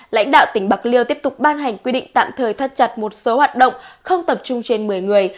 lãnh đạo tỉnh bạc liêu tiếp tục ban hành quy định tạm thời thắt chặt một số hoạt động không tập trung trên một mươi người